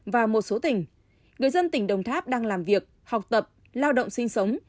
và một số tỉnh người dân tỉnh đồng tháp đang làm việc học tập lao động sinh sống